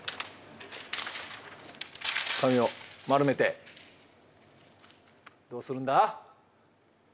紙を丸めてどうするんだ？